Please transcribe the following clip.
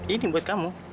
ini buat kamu